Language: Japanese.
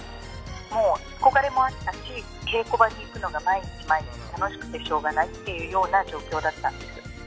もう憧れもあったし稽古場に行くのが毎日毎日楽しくてしょうがないという状況だったんです。